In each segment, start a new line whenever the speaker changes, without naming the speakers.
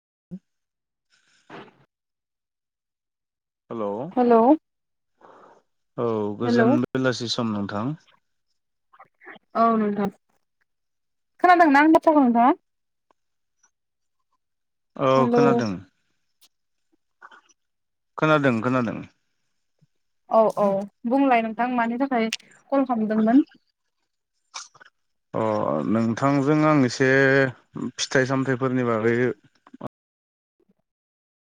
[unintelligible] हेल'
hello
औ
hello
गोजोन बेलासि सम सम नोंथां
औ नोंथां खोनादोंना आंनि बाथ्राखौ नोंथां?
औ
हेलौ
खोनादों। खोनादों खोनादों।
औ औ बुंलाय नोंथां मानि थाखाय कल खालामदोंमोन?
अ नोंथांजों आं एसे फिथाइ सामथाइफोरनि बागै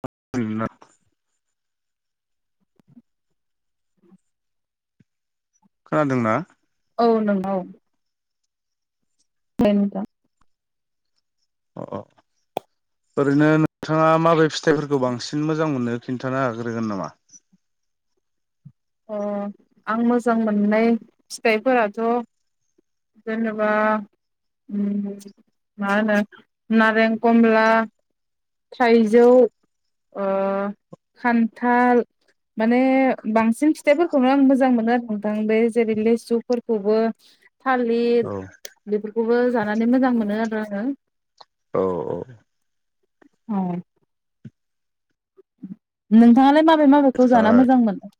[unintelligible] खोनादोंना?
औ नंगौ। [unintelligible]
अ अ ओरैनो नोंथाङा माबे फिथाइफोरखौ बांसिन मोजां मोननो खिन्थानो हाग्रोगोन नामा?
अ आं मोजां मोननाय फिथाइफोराथ' जेनेबा मा होनो नारें कमला थाइजौ ओ खान्थाल माने बांसिन फिथाइफोरखौनो आं मोजां मोनो आरो नोंथां बे जेरै लिसुफोरखौबो थालिर
औ औ
बेफो बेखौबो जानानै मोजां मोनो आरो आङो।
औ औ
औ नोंथाङालाय मा माबे माबेखौ जाना
ओमफ्राय
मोजां मोनो?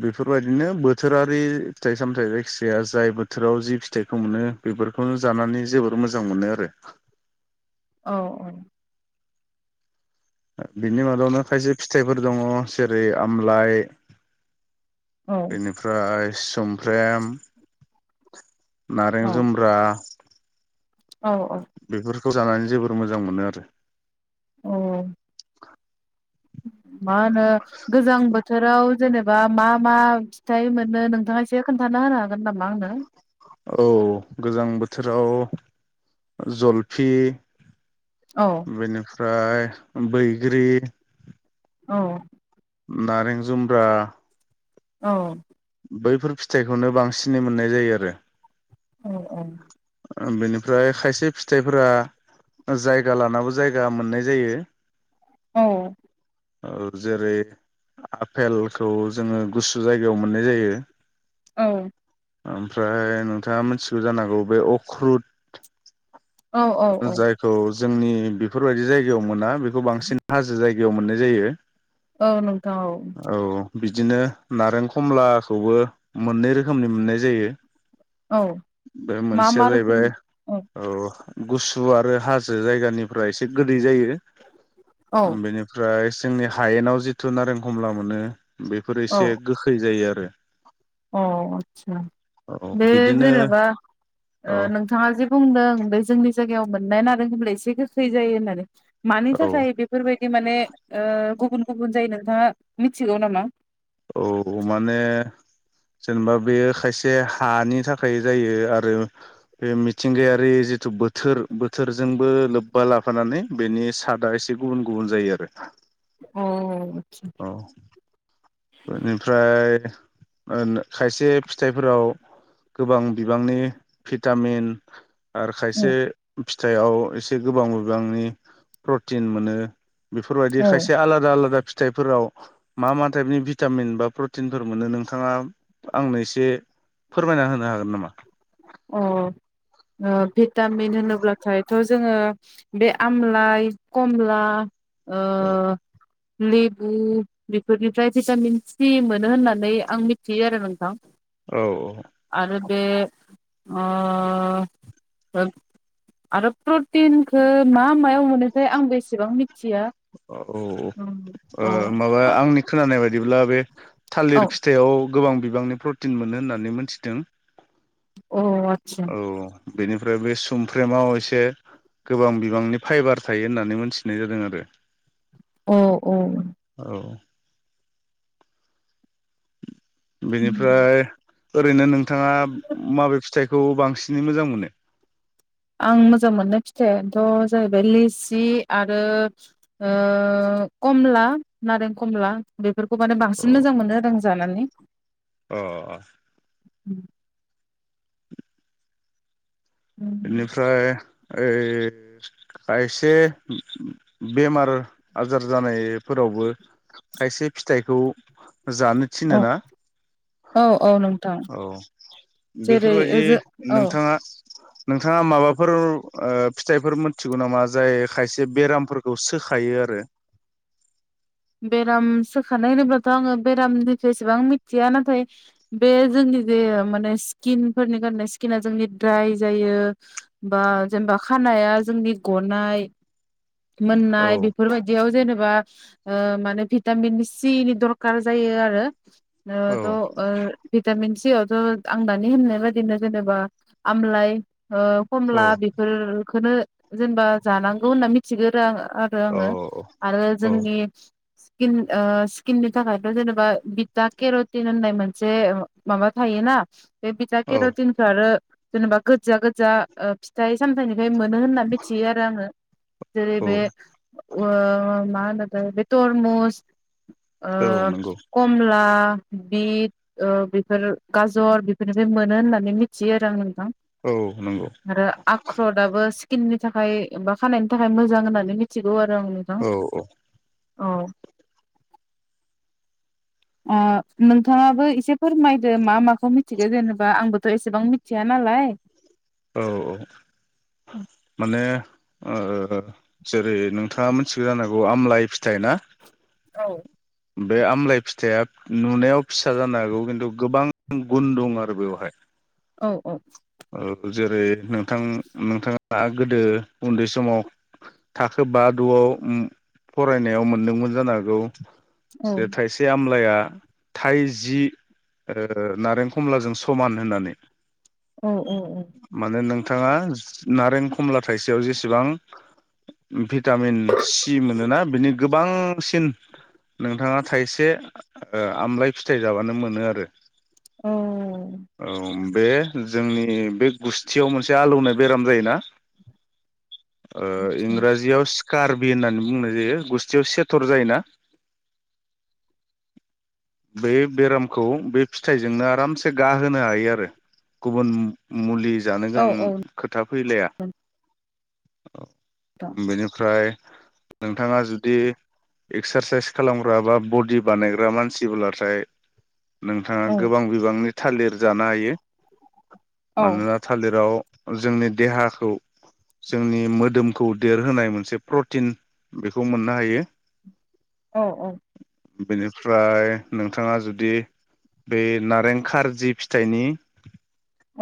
बेफोरबायदिनो बोथोरारि फिथाइ सामथाइ जायखिजाया जाय बोथोराव जि फिथाइखौ मोनो बेफोरखौनो जानानै जोबोर मोजां मोनो आरो।
औ औ
बिनि मादावनो खायसे फिथाइफोर दङ जेरै आमलाइ
औ
बेनिफ्राय सफ्रेम नारें जुम्ब्रा
औ औ
खौ जानानै जोबोर मोजां मोनो आरो
औ [inaudible] मा होनो गोजां बोथोराव जेनेबा मा मा फिथाइ मोनो नोंथाङायसो खोन्था होनो हागोन नामा आंनो
औ गोजां बोथोराव जलफि
औ
ओमफ्राय बैग्रि
औ
नारें जुमब्रा
औ
बैफोर फिथाइखौनो बांसिनै मोननाय जायो आरो
औ औ
ओ बेनिफ्राय खायसे फिथाइफोरा जायगा लानाबो जायगा मोननाय जायो
औ
औ जेरै आफेलखौ जोङो गुसु जायगायाव मोननाय जायो
औ
ओमफ्राय नोंथाङा मिथिगौ जानांगौ बे ख्रुद
औ औ औ
जोंनि बेफोरबायदि जायगायाव मोना खौ बांसिन हाजो जायो बेयाव मोननाय जायो
औ नोंथां औ
बिदिनो नारें खमलाखौबो मोननै रोखोमनि मोननाय जायो
औ
बे
मा
मोनसेया
मा रोखोम
जाहैबाय औ गुसु आरो हाजो जायगानिफ्राय एसे गोदै जायो
औ
बेनिफ्राय जोंनि हायेनाव जिथु नारें खमला मोनो बेफोरो एसे गोखै जायो आरो
अ आच्छा
औ
बे
बिदिनो
जेनेबा
औ
ओ नोंथाङा जे बुंदों बे जोंनि जायगायाव मोननाय नारें कमला एसे गोखै जायो होननानै मानि
औ
थाखाय बेफोरबायदि माने ओ गुबुन गुबुन जायो नोंथाङा मिथिगौ नामा?
औ माने जेनेबा बेयो खायसे हानि थाखाय जायो आरो बे मिथिंगायारि जिथु बोथोर बोथोरजोंबो लोब्बा लाफानानै बेनि सादआ एसे गुबुन गुबुन जायो आरो
अ
औ बेनिफ्राय ओनो खायसे फिथाइफोराव गोबां बिबांनि भिटामिन आरो खायसे फिथाइआव एसे गोबां बिबांनि प्रटिन मोनो बेफोरबायदि
अ
खायसे आलादा आलादा फिथाइफोराव मा मा थाइफनि भिटामिन बा प्रटिनफोर मोननो नोंथाङा आंनो एसे फोरमायना होनो हागोन नामा?
अ ओ भिटामिन होनोब्लाथायथ' जोङो बे आमलाइ खमला ओ
औ
लेबु बेफोरनिफ्राय भिटामिन सि मोनो होननानै आं मिथियो आरो नोंथां।
औ
आरो बे ओ अ आरो प्रटिनखौ मा मायाव मोनोथाय आंबो एसेबां मिथिया।
औ औ ओ माबा आंनि खोनानाय बायदि बिबदिब्ला बे
औ
थालिर फिथाइआव गोबां बिबांनि प्रटिन मोनो होननानै मोनथिदों।
आतसा
औ बेनिफ्राय बे सुमफ्र्रेमाव एसे गोबां बिबांनि फाइबार थायो होननानै मोनथिनाय जादों आरो।
औ औ ।
औ बिनिफ्राय ओरैनो नोंथाङा माबे फिथाइखौ बांसिनै मोजां मोनो?
आं मोजां मोननाय फिथाइथ' जाहैबाय लिसि आरो ओ कमला नारें कमला बेफोर बेखौ माने बांसिन मोजां मोनो आरो आं जानानै
अ
[inaudible]
बेनिफ्राय ओइ खायसे बेमार आजार जानायफोरावबो खायसे फिथाइखौ जानो थिनो
औ
ना
औ औ नोंथां
औ
जेरै
बेफोरबायदि
जो औ
नोंथाङा [inaudible] नोंथाङा माबाफोर ओ फिथाइफोर मोनथिगौ नामा जाय खायसे बेरामफोरखौ सोखायो आरो
बेराम सोखानाय होनोब्लाथ' आङो बेरामनिफ्राय एसेबां मिथिया नाथाय बे जोंनि जे माने स्किनफोरनि खारने स्किना जोंनि द्राइ जायो बा जेनेबा खानाया जोंनि गनाय
औ
मोननाय बेफोरबायदियाव जेनेब बा ओ माने भिटामिन सि नि दरखार जायो आरो ओ
औ
थ' ओ भिटामिन सि आवथ' आं दानि होननाय बादिनो जेनेबा आमलाइ ओ
औ
खमला बेफोर बेखौनो जेनेबा जानांगौ होनना मिथिगौ आरो आं आरो आङो
औ
आरो
औ
जोंनि स्किन ओ स्किननि थाखायथ' जेनेबा भटा केर'टिन होननाय मोनसे माबा थायोना बे बिथा केेर' तिनखो आरो जेनेबा गोजा गोजा फिथाइ सामथाइनिफ्राय मोन मोनो होनना मिथियो आरो आंङो जेरै
औ
बे ओ मा [unintelligible] तरमुस ओ
औ नंगौ
कमला बिट ओ बेफोर गाजर बेफोरनिफ्राय मोनो होननानै मिथियो आरो आं [unintelligible]
औ नंगौ
आरो आख्रदाबो स्किननि थाखाय बा खानायनि थाखाय मोजां होननानै मिथिगौ आरो
औ
[unintelligible] औ [inaudible] अ नोंथाङाबो एसे फोरमायदो मा माखौ मिथिगौ जेनेबा आंबोथ' एसेबां मिथिया नालाय
औ औ माने ओ ओ जेरै नोंथाङा मिथिगौ जानांगौ आमलाय फिथाय ना
औ
बे आमलाय फिथाइया नुनायाव फिसा जानो हागौ खिन्थु गोबां गुन दं आरो बेवहाय
औ औ
औ जेरै नों नोंथां नोंथाङा दा गोदो उन्दै समाव थाखो बा द'आव उम फरायनायाव मोनदोंमोन जानो हागौ
औ
जे थाइसे आमलाया थाइजि ओ नारें खमलाजों समान होननानै
औ औ औ
माने नोंथाङा नारें खमला थाइसेयाव जेसेबां भिटामिन सि मोनोना बिनि गोबांसिन नोंथाङा थाइसे ओ आमलााय फिथाइ जाबानो मोनो आरो औ
औ
बे जोंनि ए बे गुस्थियाव मोनसे आलौनाय बेराम जायोना
आदसा
इंराजियाव कार्बि होननानै बुंनाय जायो गुस्थियाव सेथर जायोना बे बेरामखौ बे फिथाइजोंनो आरामसे गाहोनो हायो आरो गुबुन मुलि जानो
औ
गां
औ
खोथा फैलाया
नोंथां
बेनिफ्राय नोंथाङा जुदि एक्सारसाइस खालामग्रा बा बडि बानायग्रा मानसिब्लाथाय
औ
नोंथाङा गोबां बिबांनि थालिर जाना हायो ।
औ
मानोना थालिराव जोंनि देहाखौ जोंनि मोदोमखौ देरहोनाय मोनसे प्रटिन बेखौ मोननो हायो
औ औ
बेनिफ्राय नोंथाङा जुदि बे‌ नारें खारजि फिथायनि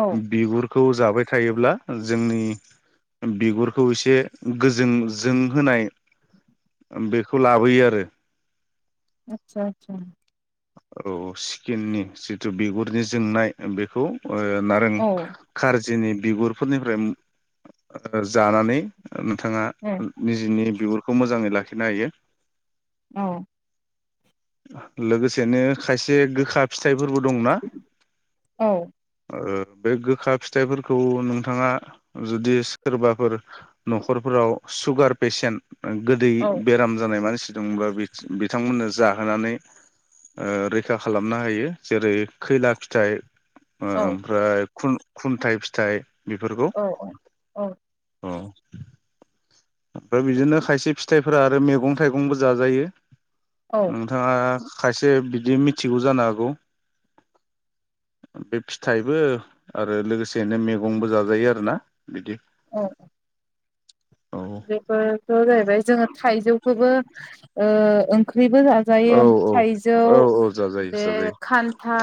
औ
बिगुर खौ जाबाय थायोब्ला जोंनि बिगुरखौ एसे गोजों जों होनाय बेखौ लाबोयो आरो
आतसा आतसा
औ स्किननि जिथु बिगुरनि जोंनाय बेखौ ओ नारें
औ
खारजिनि बिगुरफोरनिफ्राय ओ जानानै ओम नोंथाङा
औ
निजिनि बिगुर खौ मोजाङै लाखिनो हायो।
औ
लोगोसेनो खायसे गोखा फिथाइब फोरबो दंना
औ
ओ बे गोखा फिथाइफोरखौ नोंथाङा जुदि सोरबाफोर न'खरफोराव सुगार पेसेन्ट गोदै
औ
बेराम जानाय मानसि दंब्ला बिथ-बिथांमोननो जाहोनानै ओ रैखा खालामना होयो जेरै खैला फिथाइ आ
औ
ओमफ्राय खुन-खुन्थाइ फिथाइ। बेफोरखौ
औ औ
अ ओमफ्राय बिदिनो खायसे फिथाइफोरा आरो मैगं थाइगंबो जाजायो।
औ
नोंथाङा खायसे बिदि मिथिगौ जानो हागौ बे फिथाइबो आरो लोगोसेनो मैगंबो जाजायो आरोना बिदि
औ
औ
बेफोरथ' जाहैबाय जोङो थाइजौखौबो ओ ओं ओंख्रिबो जाजायो
औ औ
थाइजौ
औ औ जाजायो
बे
जाजायो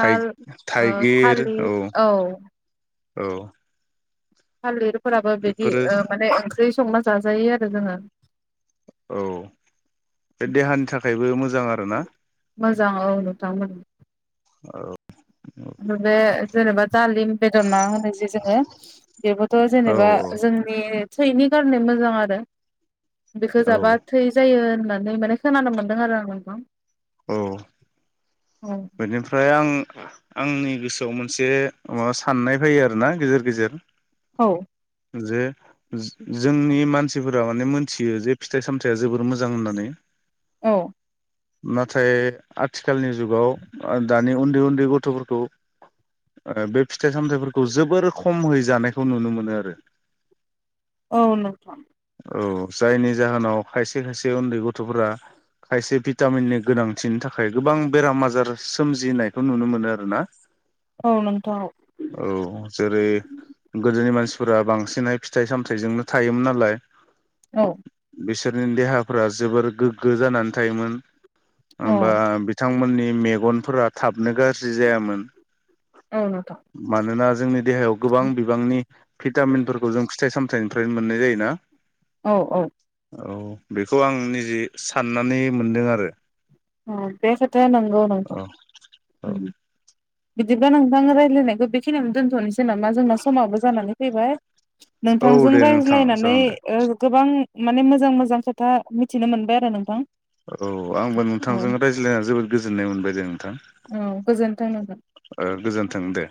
थाइ
ओ थालिर औ
औ
थालिर फोराबो बिदि
बेफोरो
ओ माने ओंख्रि संना जाजायो आरो जोङो।
औ बे देहानि थाखायबो मोजां आरो ना।
मोजां औ
औ
ओमफ्राय बे जेनबा दालिम बेदर ना बादि जोङो बेबोथ'
औ औ
जेनेबा जोंनि थैनि खारनै मोजां आरो। बेखो
औ
जाबा थै जायो होनना नानै माने खोनानो मोनदों आरो आं नोंखौ।
औ बेनिफ्राय आं आंनि गोसोआव मोनसे माबा साननाय फैयो आरो ना गेजेर गेजेर
औ
जे जो-जोंनि मानसिफोरा माने मोनथियो जे फिथाइ सामथाया जोबोर मोजां होननानै
औ
नाथाय आथिखालनि जुगाव दानि उन्दै उन्दै गथ'फोरखौ बे फिथाइ सामथायाइफोरखौ जोबोर खमयै जानायखौ नुनो मोनो आरो।
औ नोंथां
औ जायनि जाहोनाव खायसे खायसे उन्दै गथ'फोरा खायसे भिटामिननि गोनांथिनि थाखाय गोबां बेराम आजार सोमजिनायखौ नुनो मोनो आरोना
औ नोंथां औ
औ जेरै गोदोनि मानसि फुरा बांसिनहै फिथाइ सामथायाइजोंनो थायोमोन नालाय
औ
बिसोरनि देहाफोरा जोबोर गोग्गो जानानै थायोमोन। बा बिथांमोननि मेगनफोरा थाबनो गाज्रि जायामोन।
औ नोंथां
मानोना जोंनि देहायाव गोबां बिबांनि भिटामिनफोरखौ जों फिथाइ सामथाय फिथाइनिफ्रायनो मोननाय जायो ना।
औ औ
बेखौ आं निजे साननानै मोनदों आरो
अ बे खोथाया नंगौ
औ
नोंथां।
औ
बिदिब्ला नोंथां रायलायनायखौ बेखनियावनो दोनथ'नोसै। जेन'बा जोंनाव समाबो जानानै फैबाय नोंथांजों
दे नोंथां
रायज्लायनानै
जागोन दे
ओ गोबां माने मोजां-मोजां खोथा मिथिनो मोनबाय आरो नोंथां।
औ आंबो।
औ
नोंथांजों राय्लायनानै जोबोद गोजोननाय मोनबाय दे नोंथां।
औ गोजोनथों नोंथां।
ओ गोजोन्थों दे